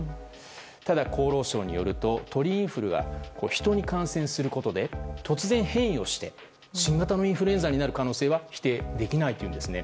ただ、厚労省によると鳥インフルは人に感染することで突然変異をして新型のインフルエンザになる可能性は否定できないというんですね。